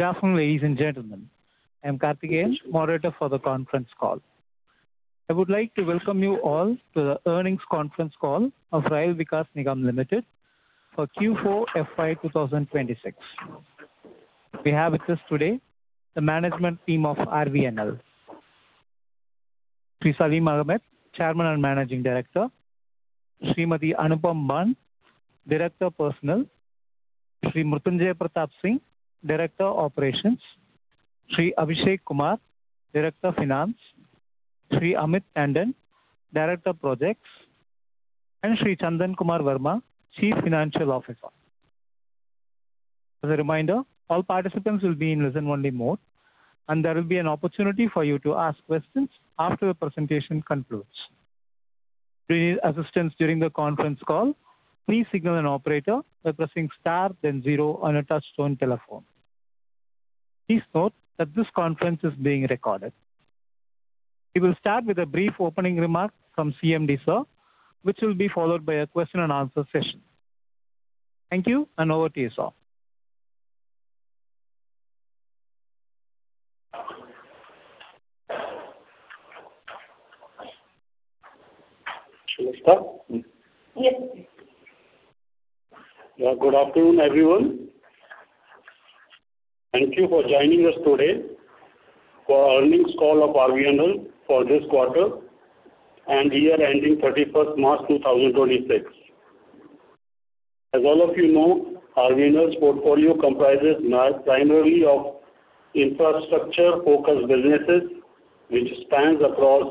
Good afternoon, ladies and gentlemen. I'm Karthik H, Moderator for the conference call. I would like to welcome you all to the earnings conference call of Rail Vikas Nigam Limited for Q4 FY 2026. We have with us today the management team of RVNL. Saleem Ahmad, Chairman and Managing Director, Anupam Ban, Director of Personnel, Mritunjay Pratap Singh, Director of Operations, Abhishek Kumar, Director of Finance, Amit Tandon, Director of Projects, and Chandan Kumar Verma, Chief Financial Officer. As a reminder, all participants will be in listen-only mode, and there will be an opportunity for you to ask questions after the presentation concludes. If you need assistance during the conference call, please signal an operator by pressing star then zero on your touch-tone telephone. Please note that this conference is being recorded. We will start with a brief opening remark from CMD sir, which will be followed by a question and answer session. Thank you. Over to you, sir. Should we start? Yes. Good afternoon, everyone. Thank you for joining us today for the earnings call of RVNL for this quarter and the year ending 31st March 2026. As all of you know, RVNL's portfolio comprises primarily of infrastructure-focused businesses, which spans across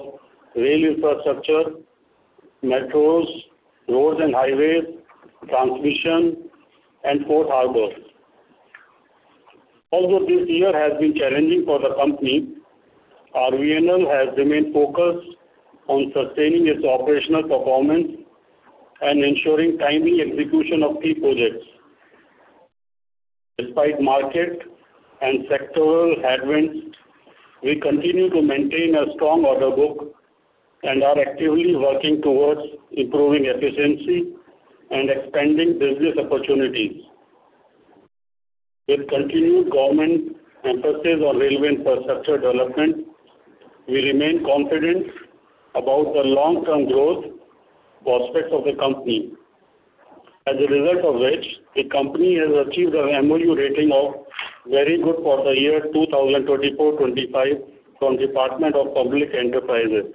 rail infrastructure, metros, roads and highways, transmission, and port harbors. Although this year has been challenging for the company, RVNL has remained focused on sustaining its operational performance and ensuring timely execution of key projects. Despite market and sectoral headwinds, we continue to maintain a strong order book and are actively working towards improving efficiency and expanding business opportunities. With continued government emphasis on railway infrastructure development, we remain confident about the long-term growth prospects of the company. As a result of which, the company has achieved an MOU rating of Very Good for the year 2024-2025 from Department of Public Enterprises.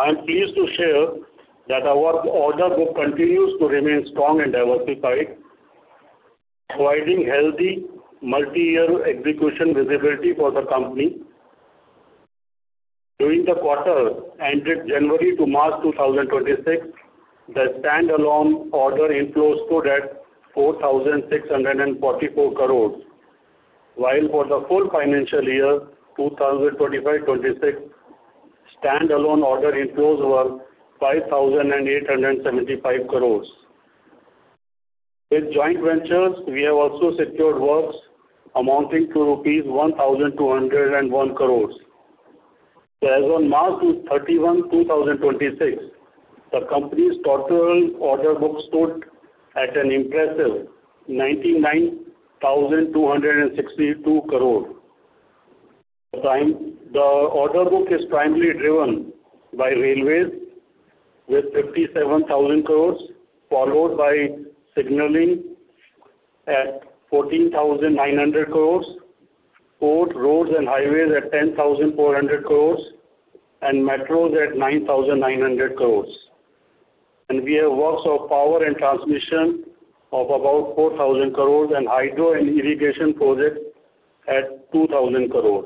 I'm pleased to share that our order book continues to remain strong and diversified, providing healthy multi-year execution visibility for the company. During the quarter ended January to March 2026, the standalone order inflows stood at 4,644 crore, while for the full financial year 2025-2026, standalone order inflows were 5,875 crore. With joint ventures, we have also secured works amounting to rupees 1,201 crore. As of March 31, 2026, the company's total order book stood at an impressive 99,262 crore. The order book is primarily driven by railways with 57,000 crore, followed by signaling at 14,900 crore, port, roads and highways at 10,400 crore, and metros at 9,900 crore. We have works of power and transmission of about 4,000 crore and hydro and irrigation projects at 2,000 crore.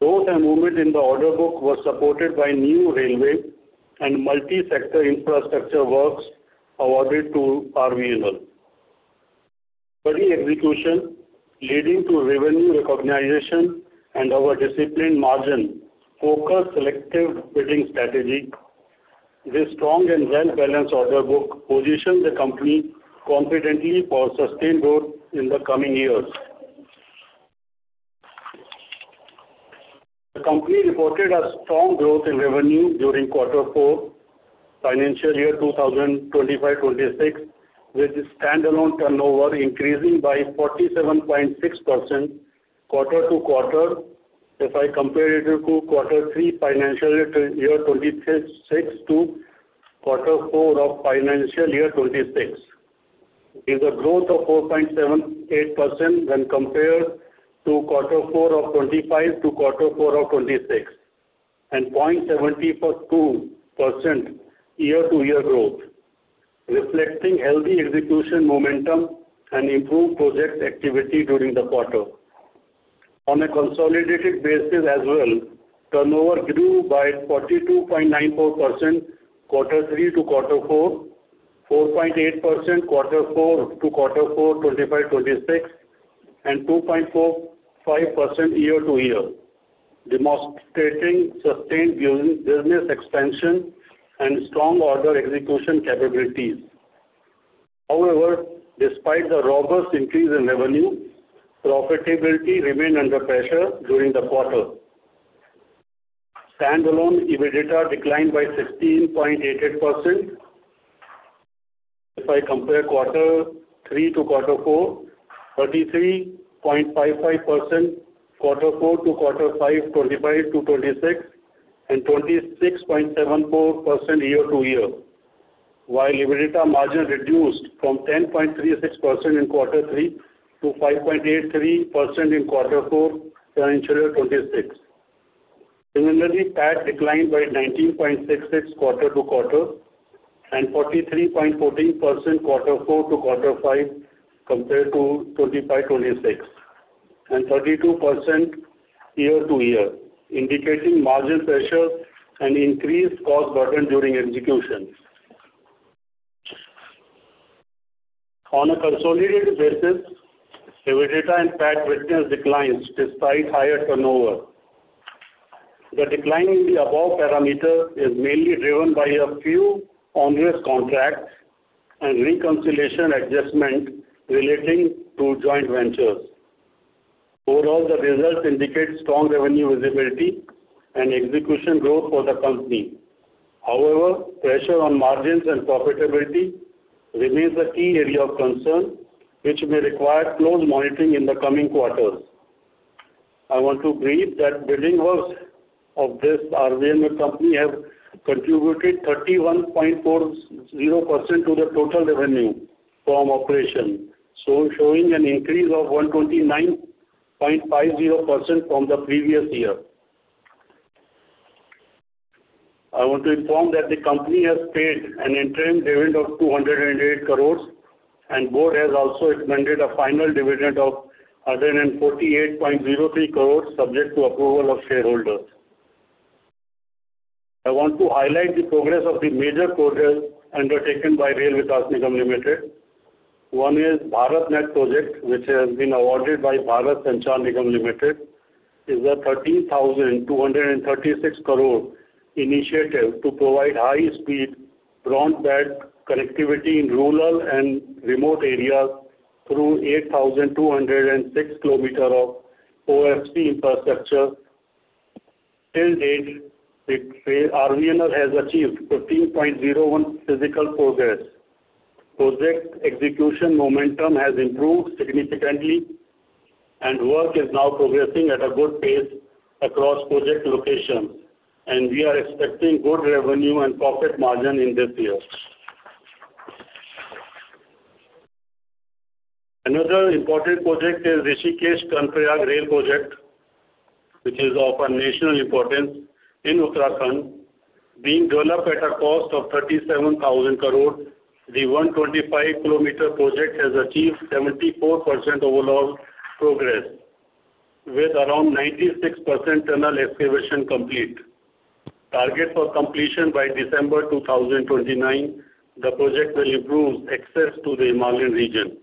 Growth and movement in the order book was supported by new railway and multi-sector infrastructure works awarded to RVNL. Early execution leading to revenue recognition and our disciplined margin, focused selective bidding strategy, this strong and well-balanced order book positions the company competently for sustained growth in the coming years. The company reported a strong growth in revenue during quarter four, financial year 2025-2026, with standalone turnover increasing by 47.6% quarter-over-quarter if I compare it to quarter three financial year 2026 to quarter four of financial year 2026. It is a growth of 4.78% when compared to quarter four of 2025 to quarter four of 2026, and 0.72% year-over-year growth, reflecting healthy execution momentum and improved project activity during the quarter. On a consolidated basis as well, turnover grew by 42.94% quarter three to quarter four, 4.8% quarter four to quarter four 2025/2026, and 2.45% year-to-year, demonstrating sustained business expansion and strong order execution capabilities. Despite the robust increase in revenue, profitability remained under pressure during the quarter. Standalone EBITDA declined by 16.88% (quarter three to quarter four), 33.55% (quarter four to quarter five, 2025 to 2026), and 26.74% year-to-year. While EBITDA margin reduced from 10.36% in quarter three to 5.83% in Q4 FY 2026. Similarly, PAT declined by 19.66% quarter-to-quarter and 43.14% quarter four to quarter five compared to 2025/2026, and 32% year-to-year, indicating margin pressure and increased cost burden during execution. On a consolidated basis, EBITDA and PAT witness declines despite higher turnover. The decline in the above parameter is mainly driven by a few ongoing contracts and reconciliation adjustment relating to joint ventures. Overall, the results indicate strong revenue visibility and execution growth for the company. However, pressure on margins and profitability remains a key area of concern, which may require close monitoring in the coming quarters. I want to brief that building works of this RVNL have contributed 31.40% to the total revenue from operation, showing an increase of 129.50% from the previous year. I want to inform that the company has paid an interim dividend of 208 crore, and board has also recommended a final dividend of 148.03 crore subject to approval of shareholders. I want to highlight the progress of the major projects undertaken by Rail Vikas Nigam Limited. One is BharatNet project, which has been awarded by Bharat Sanchar Nigam Limited, is a 30,236 crore initiative to provide high-speed broadband connectivity in rural and remote areas through 8,206 km of OFC infrastructure. Till date, RVNL has achieved 15.01% physical progress. Project execution momentum has improved significantly, work is now progressing at a good pace across project location, and we are expecting good revenue and profit margin in this year. Another important project is Rishikesh-Karnaprayag rail project, which is of a national importance in Uttarakhand. Being developed at a cost of 37,000 crore, the 125-km project has achieved 74% overall progress with around 96% tunnel excavation complete. Target for completion by December 2029, the project will improve access to the Himalayan region.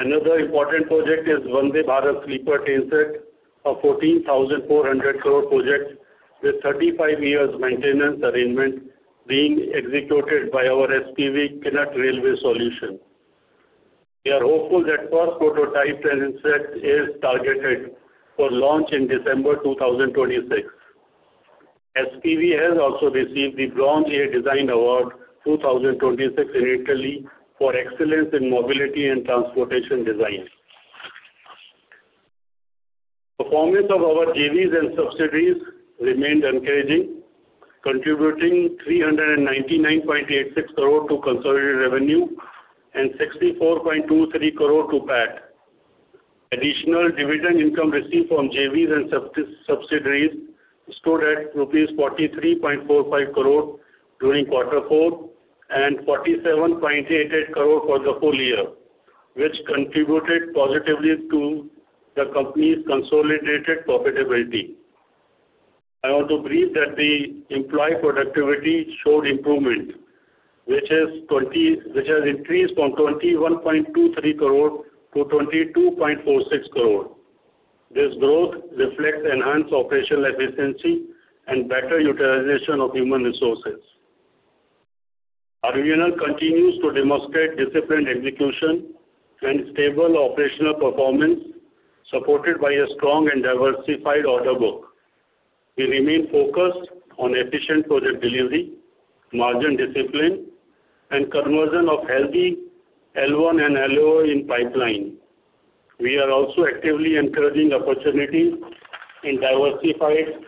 Another important project is Vande Bharat Sleeper Trainset, a 14,400 crore project with 35 years maintenance arrangement being executed by our SPV, Kinet Railway Solutions. We are hopeful that first prototype trainset is targeted for launch in December 2026. SPV has also received the Bronze A' Design Award 2026 lately for excellence in mobility and transportation design. Performance of our JVs and subsidiaries remained encouraging, contributing INR 399.86 crore to consolidated revenue and 64.23 crore to PAT. Additional dividend income received from JVs and subsidiaries stood at rupees 43.45 crore during quarter four and 47.88 crore for the full year, which contributed positively to the company's consolidated profitability. I want to brief that the employee productivity showed improvement, which has increased from 21.23 crore to 22.46 crore. This growth reflects enhanced operational efficiency and better utilization of human resources. RVNL continues to demonstrate disciplined execution and stable operational performance, supported by a strong and diversified order book. We remain focused on efficient project delivery, margin discipline, and conversion of healthy L1 and LOI in pipeline. We are also actively encouraging opportunities in diversified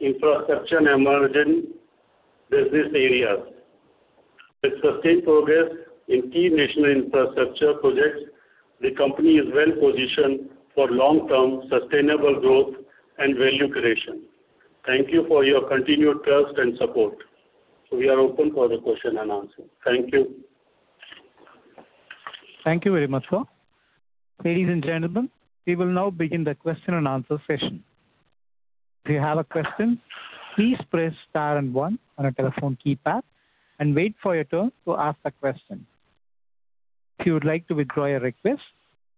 infrastructure emerging business areas. With sustained progress in key national infrastructure projects, the company is well-positioned for long-term sustainable growth and value creation. Thank you for your continued trust and support. We are open for the question and answer. Thank you. Thank you very much, sir. Ladies and gentlemen, we will now begin the question and answer session. If you have a question, please press star and one on a telephone keypad and wait for your turn to ask a question. If you would like to withdraw your request,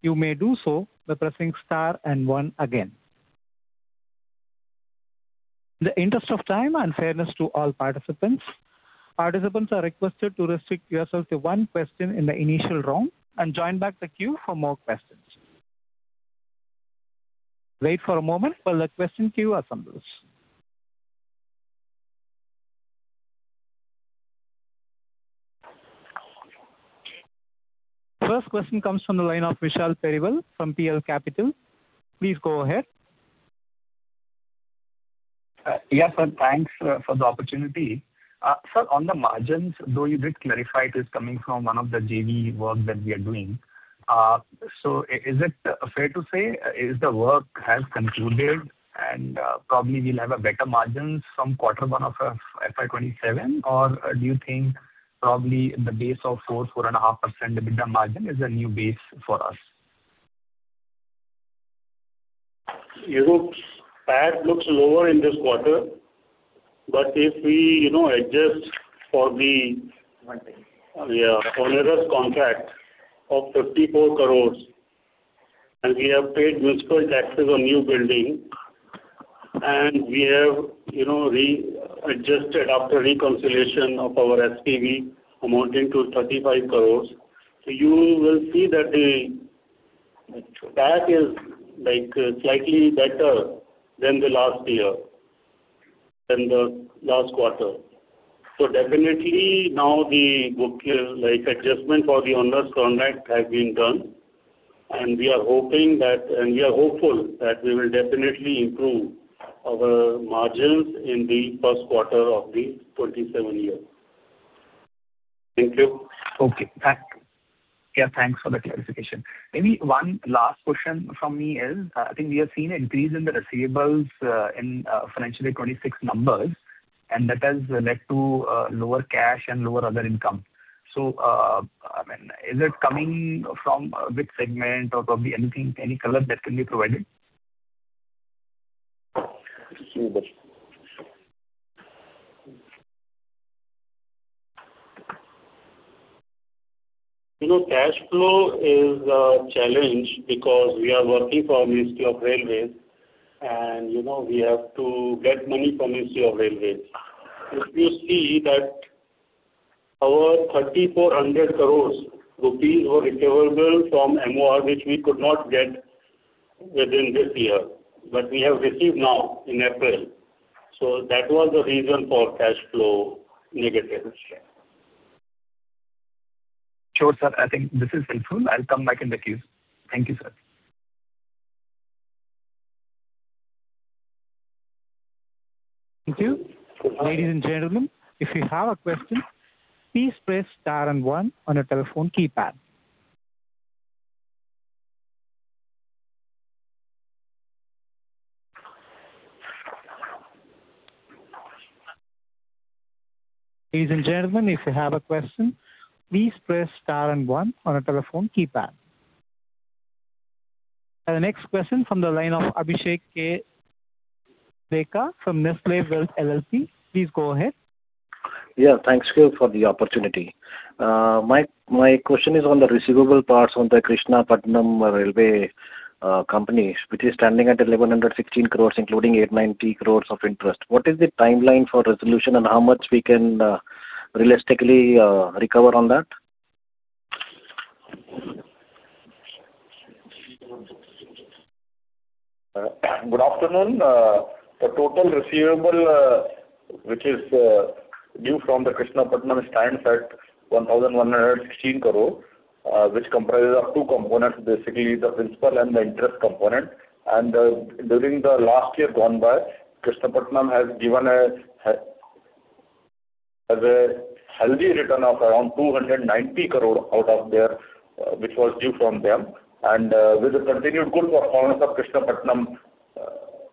you may do so by pressing star and one again. In the interest of time and fairness to all participants are requested to restrict yourselves to one question in the initial round and join back the queue for more questions. Wait for a moment while the question queue assembles. First question comes from the line of Vishal Periwal from PL Capital. Please go ahead. Thanks for the opportunity. Sir, on the margins, though you did clarify it is coming from one of the JV work that we are doing. Is it fair to say, the work has concluded and probably we'll have a better margin from quarter one of FY 2027? Do you think probably in the base of 4.5% EBITDA margin is a new base for us? You know, PAT looks lower in this quarter, but if we adjust for the onerous contract of 54 crores, and we have paid municipal taxes on new building, and we have re-adjusted after reconciliation of our SPV amounting to 35 crores. You will see that the PAT is slightly better than the last quarter. Definitely now the adjustment for the onerous contract has been done, and we are hopeful that we will definitely improve our margins in the first quarter of the 2027 year. Thank you. Okay. Thanks. Yeah, thanks for the clarification. Maybe one last question from me is, I think we have seen an increase in the receivables in financial 2026 numbers, and that has led to lower cash and lower other income. Is it coming from which segment or probably anything, any color that can be provided? You know, cash flow is a challenge because we are working for Ministry of Railways, and we have to get money from Ministry of Railways. If you see that our 3,400 crores rupees were receivable from MOR, which we could not get within this year, but we have received now in April. That was the reason for cash flow negative this year. Sure, sir. I think this is helpful. I'll come back in the queue. Thank you, sir. Thank you. Ladies and gentlemen, if you have a question, please press star and one on your telephone keypad. The next question from the line of Abhishek K. Deka from Nestle Wealth LLP. Please go ahead. Yeah. Thanks for the opportunity. My question is on the receivable parts on the Krishnapatnam Railway Company, which is standing at 1,116 crores, including 890 crores of interest. What is the timeline for resolution and how much we can realistically recover on that? Good afternoon. The total receivable, which is due from the Krishnapatnam, stands at 1,116 crore, which comprises of two components, basically the principal and the interest component. During the last year gone by, Krishnapatnam has given a healthy return of around 290 crore out of their, which was due from them. With the continued good performance of Krishnapatnam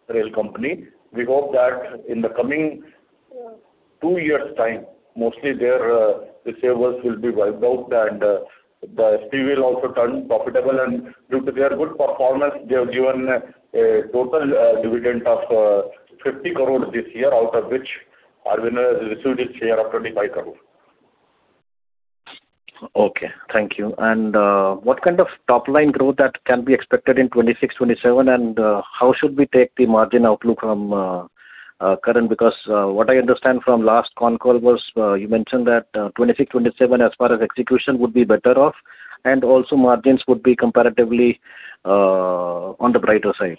Rail Company, we hope that in the coming two years time, mostly their receivables will be wiped out, and the SPV will also turn profitable. Due to their good performance, they have given a total dividend of 50 crore this year, out of which our share of 25 crore. Okay. Thank you. What kind of top-line growth that can be expected in 2026-2027? How should we take the margin outlook from current? What I understand from last con call was you mentioned that 2026-2027 as far as execution would be better off, and also margins would be comparatively on the brighter side.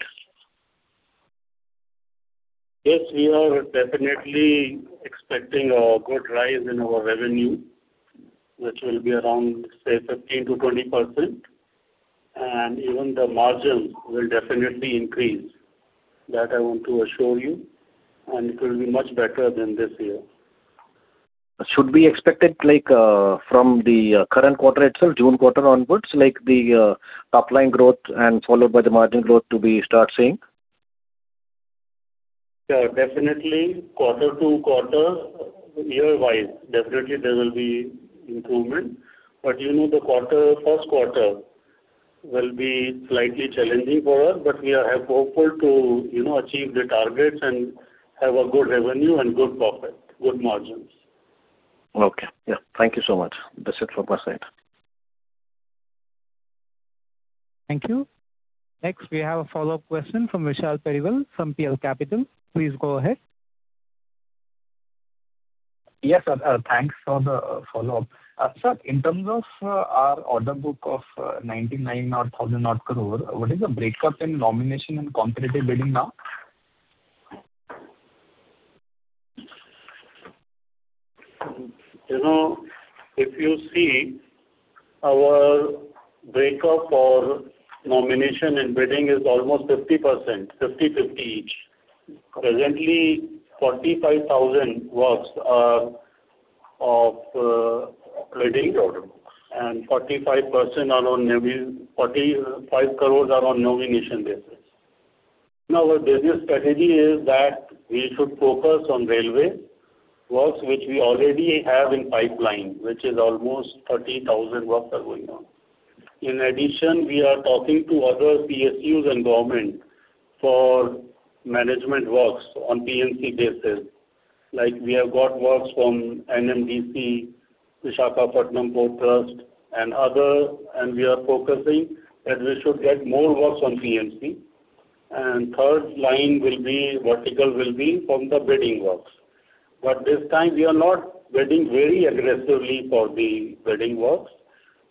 Yes, we are definitely expecting a good rise in our revenue, which will be around, say, 13%-20%. Even the margin will definitely increase. That I want to assure you, and it will be much better than this year. Should we expect it from the current quarter itself, June quarter onwards, like the top-line growth and followed by the margin growth to be start seeing? Yeah, definitely quarter to quarter, year-wise, definitely there will be improvement. You know the first quarter will be slightly challenging for us, but we are hopeful to achieve the targets and have a good revenue and good profit, good margins. Okay. Yeah. Thank you so much. This is it for my side. Thank you. Next, we have a follow-up question from Vishal Periwal from PL Capital. Please go ahead. Yes, sir. Thanks for the follow-up. Sir, in terms of our order book of 99,000 crore, what is the breakup in nomination in competitive bidding now? If you see, our breakup for nomination and bidding is almost 50/50 each. Presently, 45,000 works are of bidding order book, and 45 crore are on nomination basis. The business strategy is that we should focus on railway works, which we already have in pipeline, which is almost 30,000 works are going on. In addition, we are talking to other PSUs and government for management works on PMC basis. We have got works from NMDC, Visakhapatnam Port Trust, and others, and we are focusing that we should get more works on PMC. Third line will be vertical will be from the bidding works. This time we are not bidding very aggressively for the bidding works.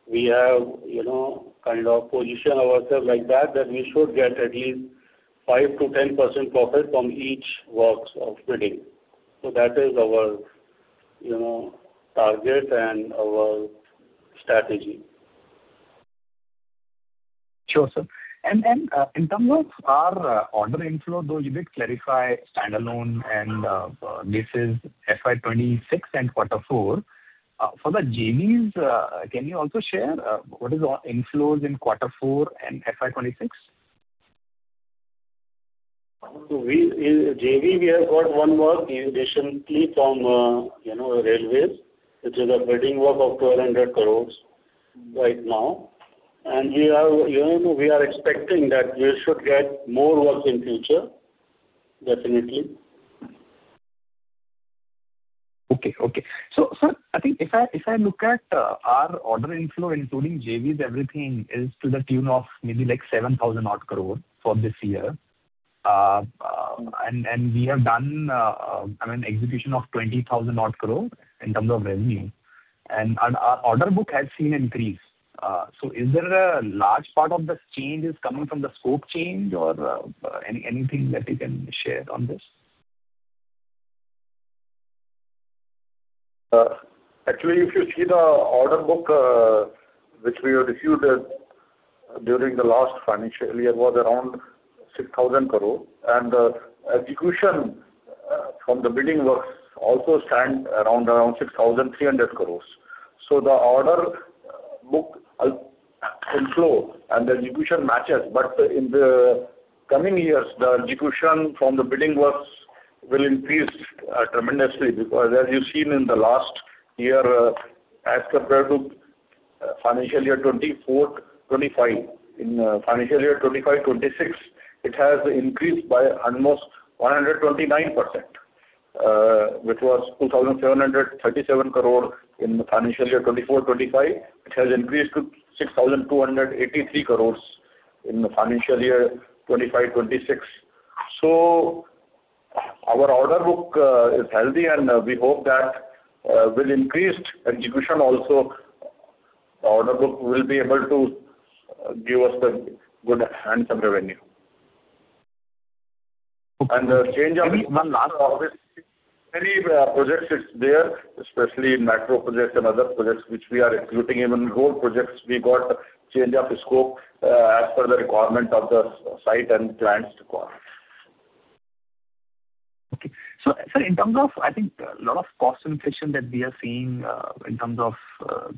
We have positioned ourselves like that we should get at least 5%-10% profit from each works of bidding. That is our target and our strategy. Sure, sir. In terms of our order inflow, though you did clarify standalone and this is FY 2026 and Quarter 4. For the JVs, can you also share what is the inflows in Quarter 4 and FY 2026? In JV, we have got one work, renovation three from Railways, which is a bidding work of 1,200 crores right now. We are expecting that we should get more work in future, definitely. Okay. I think if I look at our order inflow, including JVs, everything is to the tune of maybe 7,000 crore for this year. We have done an execution of 20,000 crore in terms of revenue, and our order book has seen increase. Is there a large part of this change is coming from the scope change or anything that you can share on this? Actually, if you see the order book, which we reviewed during the last financial year was around 6,000 crore. The execution from the bidding works also stand around 6,300 crores. The order book inflow and the execution matches. In the coming years, the execution from the bidding works will increase tremendously because as you've seen in the last year as compared to financial year 2024-2025. In financial year 2025-2026, it has increased by almost 129%, which was 2,737 crore in financial year 2024-2025. It has increased to 6,283 crores in financial year 2025-2026. Our order book is healthy. We hope that with increased execution also, order book will be able to give us a good handsome revenue. The change of non-corporate, many projects it's there, especially in metro projects and other projects which we are executing, even road projects, we got change of scope as per the requirement of the site and client's requirement. Okay. In terms of, I think, a lot of cost inflation that we are seeing in terms of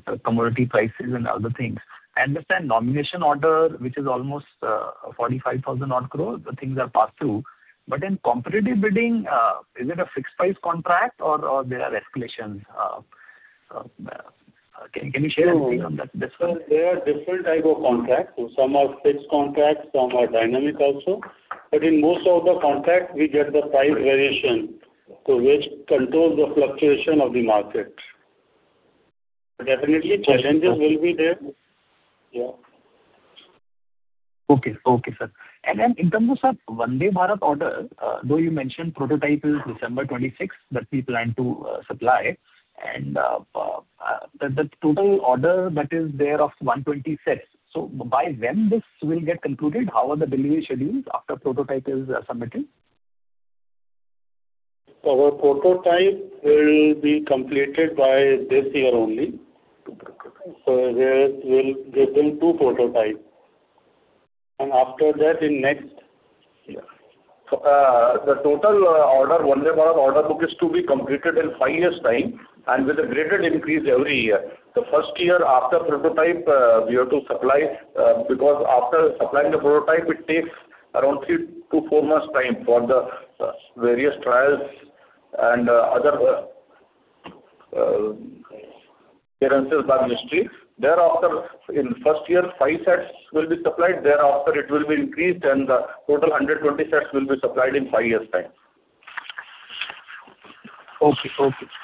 the commodity prices and other things. I understand nomination order, which is almost 45,000 crore, the things are passed through. In competitive bidding, is it a fixed price contract or there are escalations initially? There are different type of contracts. Some are fixed contracts, some are dynamic also. In most of the contracts, we get the price variation, which controls the fluctuation of the market. Definitely, challenges will be there. Okay, sir. In terms of Vande Bharat order, though you mentioned prototype is December 26th that we plan to supply, and the total order that is there of 120 sets. By when this will get concluded? How are the delivery schedules after prototype is submitted? Our prototype will be completed by this year only. There will be two prototypes. After that in next year, the total Vande Bharat order book is to be completed in five years' time, and with a graded increase every year. The first year after prototype, we have to supply, because after supplying the prototype, it takes around three-four months time for the various trials and other clearances by Ministry. Thereafter, in first year, five sets will be supplied. Thereafter, it will be increased, and the total 120 sets will be supplied in five years time. Okay.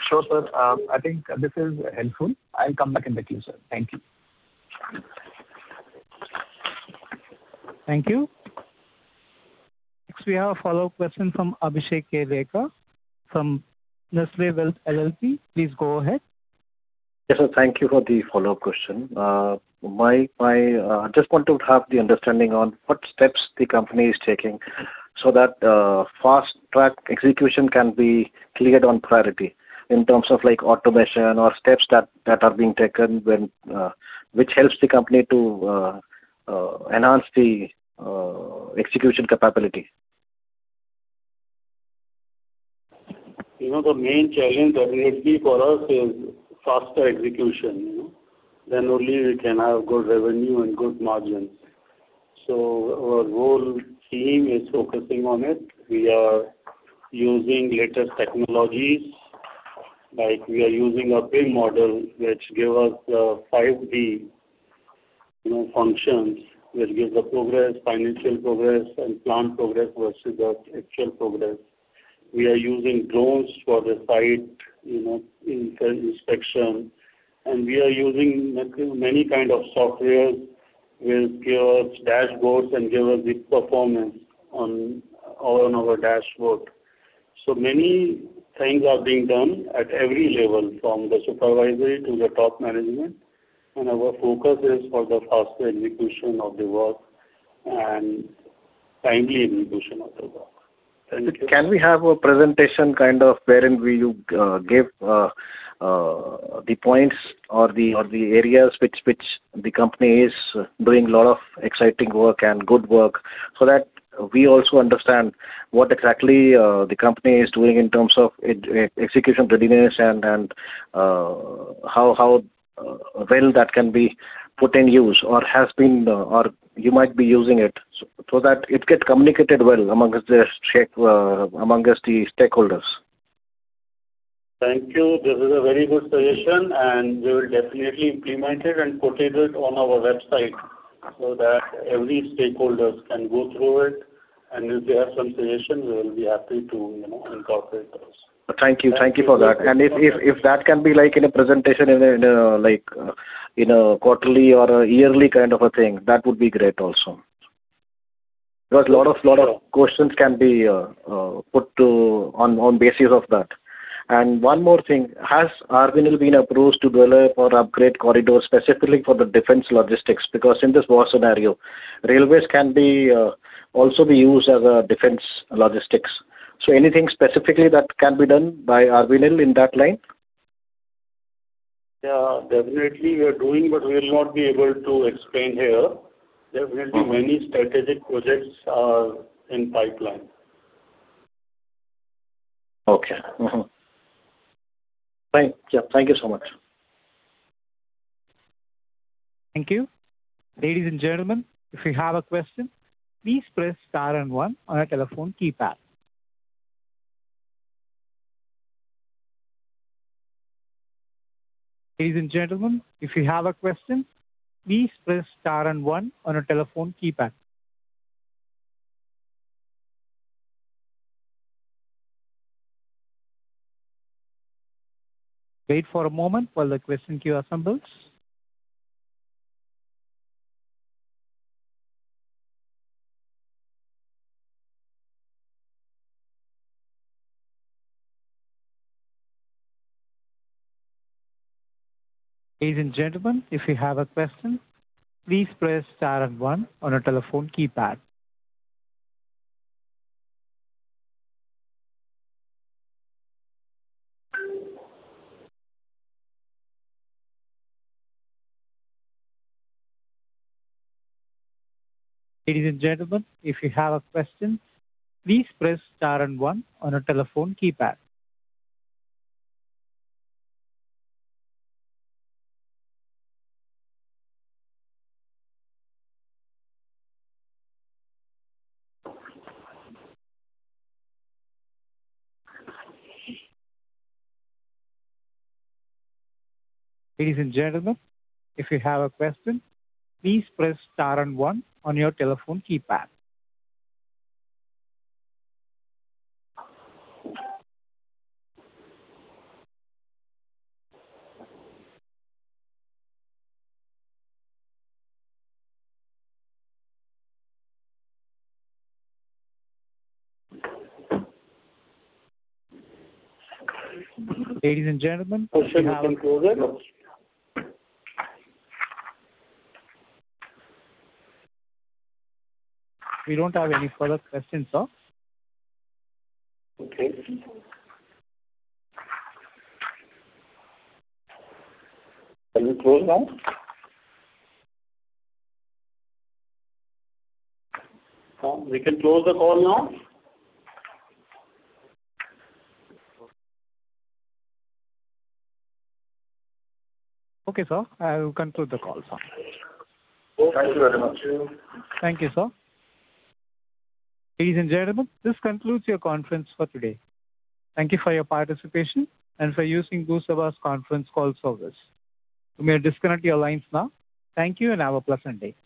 Sure, sir. I think this is helpful. I'll come back in the queue, sir. Thank you. Thank you. Next, we have a follow-up question from Abhishek K. Deka from Nestle Wealth LLP. Please go ahead. Yes, sir. Thank you for the follow-up question. I just want to have the understanding on what steps the company is taking so that fast-track execution can be cleared on priority in terms of automation or steps that are being taken which helps the company to enhance the execution capability. You know, the main challenge obviously for us is faster execution. Only we can have good revenue and good margin. Our whole team is focusing on it. We are using latest technologies. We are using a BIM model which give us the 5D functions, which gives the progress, financial progress, and planned progress versus the actual progress. We are using drones for the site inspection, and we are using many kind of software which give us dashboards and give us big performance on our dashboard. Many things are being done at every level, from the supervisory to the top management. Our focus is for the faster execution of the work and timely execution of the work. Thank you. Can we have a presentation kind of wherein you give the points or the areas which the company is doing a lot of exciting work and good work so that we also understand what exactly the company is doing in terms of execution readiness and how well that can be put in use or you might be using it so that it gets communicated well amongst the stakeholders? Thank you. This is a very good suggestion, and we will definitely implement it and put it on our website so that every stakeholder can go through it, and if they have some suggestions, we will be happy to incorporate those. Thank you for that. If that can be in a presentation in a quarterly or a yearly kind of a thing, that would be great also. A lot of questions can be put on basis of that. One more thing, has RVNL been approached to develop or upgrade corridors specifically for the defense logistics? In this war scenario, railways can also be used as a defense logistics. Anything specifically that can be done by RVNL in that line? Yeah, definitely we are doing, but we will not be able to explain here. There will be many strategic projects in pipeline. Okay. Thank you so much. Thank you. Ladies and gentlemen, if you have a question, please press star and one on your telephone keypad. Ladies and gentlemen, if you have a question, please press star and one on your telephone keypad. Wait for a moment while the question queue assembles. Ladies and gentlemen, if you have a question, please press star and one on your telephone keypad. Ladies and gentlemen, if you have a question, please press star and one on your telephone keypad. Ladies and gentlemen, if you have a question, please press star and one on your telephone keypad. Ladies and gentlemen, if you have- Question concluded. We don't have any further questions, sir. Okay. Can we close now? Sir, we can close the call now? Okay, sir, I will conclude the call, sir. Thank you very much. Thank you, sir. Ladies and gentlemen, this concludes your conference for today. Thank you for your participation and for using GoToWebinar's conference call service. You may disconnect your lines now. Thank you and have a pleasant day.